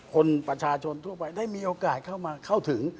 คนประชาชนทั่วไปได้มีโอกาสเข้ามาเข้าถึง